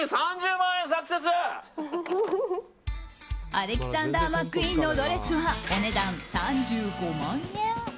アレキサンダー・マックイーンのドレスはお値段３５万円。